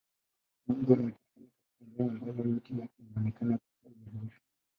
Ni nyumba inayopatikana katika eneo ambalo miti yake inaonekana kustawi vizuri